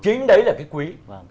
chính đấy là cái quý